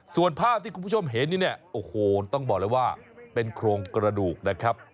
ส่วนภาพที่คุณผู้ชมเห็นนี่เนี่ยโอ้โหต้องบอกเลยว่าเป็นโครงกระดูกนะครับ